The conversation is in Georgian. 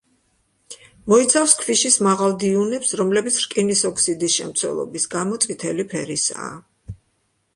მოიცავს ქვიშის მაღალ დიუნებს, რომლებიც რკინის ოქსიდის შემცველობის გამო წითელი ფერისაა.